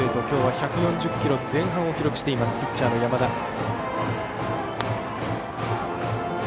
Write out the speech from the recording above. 今日は１４０キロ前半を記録しているピッチャーの山田。